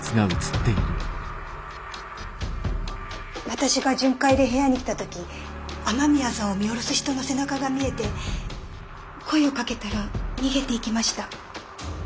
私が巡回で部屋に来た時雨宮さんを見下ろす人の背中が見えて声をかけたら逃げていきました。